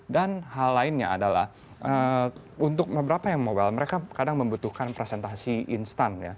dan hal lainnya adalah untuk beberapa yang mobile mereka kadang membutuhkan presentasi instan